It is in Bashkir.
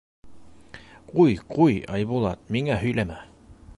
— Ҡуй, ҡуй, Айбулат, миңә һөйләмә.